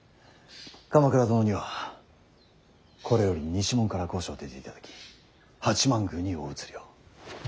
鎌倉殿にはこれより西門から御所を出ていただき八幡宮にお移りを。